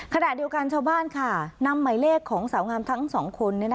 ขณะเดียวกันชาวบ้านค่ะนำหมายเลขของสาวงามทั้งสองคน